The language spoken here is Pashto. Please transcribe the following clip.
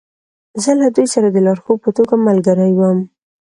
زه له دوی سره د لارښود په توګه ملګری وم